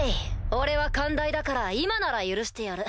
俺は寛大だから今なら許してやる。